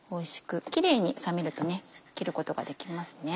キレイに冷めると切ることができますね。